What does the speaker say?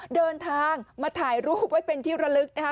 เดินทางมาถ่ายรูปไว้เป็นที่ระลึกนะคะ